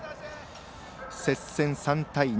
接戦、３対２。